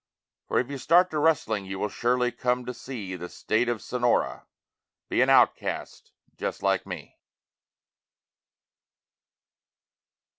For if you start to rustling you will surely come to see The State of Sonora, be an outcast just like me.